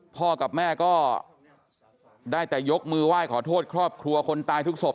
พ่อกับแม่ก็ได้แต่ยกมือไหว้ขอโทษครอบครัวคนตายทุกศพ